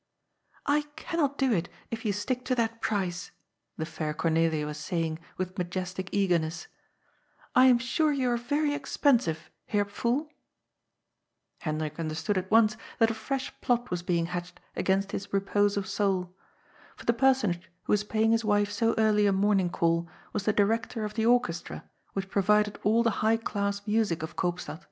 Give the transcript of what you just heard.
" I cannot do it, if you stick to that price," the fair Cor nelia was saying with majestic eagerness ;^' I am sure you are yery expensive, Herr Pfuhl." Hendrik understood at once that a fresh plot was being hatched against his repose of soul. For the personage who WM paying his wife so early a morning call was the director of the Orchestra which provided all the high class music of Koopstad.